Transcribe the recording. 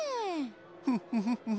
フッフフッフフ。